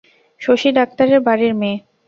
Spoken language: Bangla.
শশী ডাক্তারের বাড়ির মেয়ে।